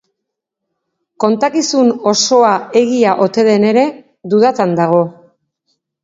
Kontakizun osoa egia ote den ere, dudatan dago.